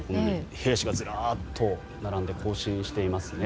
兵士がずらっと並んで行進していますね。